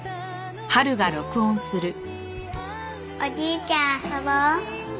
おじいちゃん遊ぼう。